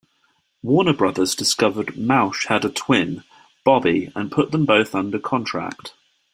Warner Brothers discovered Mauch had a twin, Bobby and put them both under contract.